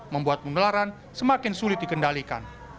membuat pengelaran semakin sulit dikendalikan